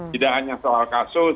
tidak hanya soal kasus